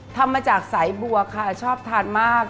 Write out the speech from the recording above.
ทำมาจากสายบัวค่ะชอบทานมาก